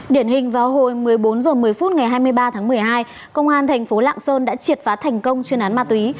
điển hình vào hồi một mươi bốn h một mươi phút ngày hai mươi ba tháng một mươi hai công an thành phố lạng sơn đã triệt phá thành công chuyên án ma túy